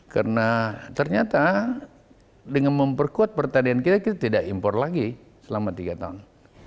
karena ternyata dengan memperkuat pertanian kita kita tidak impor lagi selama tiga tahun